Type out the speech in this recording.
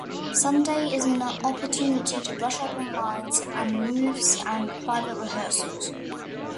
Sunday is an opportunity to brush up on lines and moves and private rehearsals.